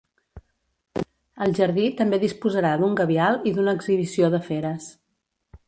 El jardí també disposarà d'un gabial i d'una exhibició de feres.